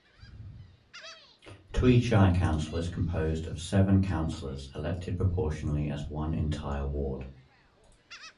Tweed Shire Council is composed of seven Councillors elected proportionally as one entire ward.